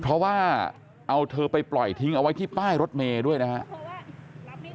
เพราะว่าเอาเธอไปปล่อยทิ้งเอาไว้ที่ป้ายรถเมย์ด้วยนะครับ